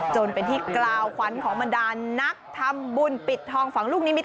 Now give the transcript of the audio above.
จนเป็นที่กล่าวขวัญของบรรดาลนักทำบุญปิดทองฝั่งลูกนิมิต